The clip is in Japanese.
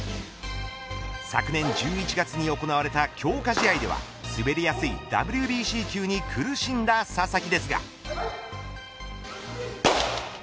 昨年１１月に行われた強化試合では滑りやすいＷＢＣ球に苦しんだ佐々木ですが。